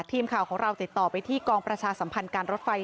ทีมข่าวของเราติดต่อไปที่กองประชาสัมพันธ์การรถไฟ